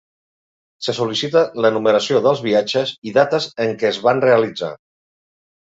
Se sol·licita l’enumeració dels viatges i dates en què es van realitzar.